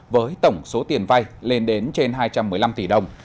với tổng số tiền vay lên đến trên hai trăm một mươi năm tỷ đồng